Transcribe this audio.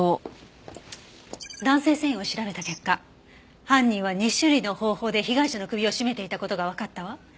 弾性繊維を調べた結果犯人は２種類の方法で被害者の首を絞めていた事がわかったわ。